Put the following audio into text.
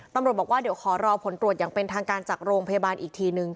ตำรวจบอกว่าเดี๋ยวขอรอผลตรวจอย่างเป็นทางการจากโรงพยาบาลอีกทีนึง